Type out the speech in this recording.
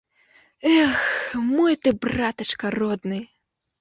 Эх, мой ты братачка родны!